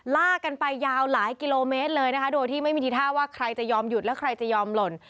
ลากกันไปยาวหลายกิโลเมตรเลยนะคะโดยที่ไม่มีทีท่าว่าใครจะยอมหยุดแล้วใครจะยอมหล่น